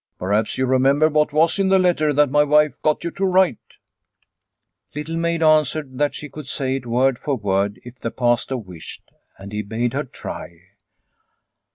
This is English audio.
Perhaps you remember what was in the letter that my wife got you to write ?' Little Maid answered that she could say it word for word if the Pastor wished, and he bade her try.